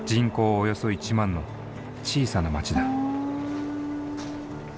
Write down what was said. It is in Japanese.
およそ１万の小さな町だ。